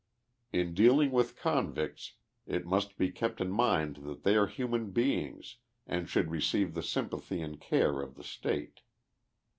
In dealing with convicts it must be kept in mind that they are human beings and should receive the sympathy and care of the State.